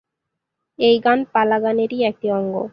এই গান পালা গান এরই একটি অঙ্গ।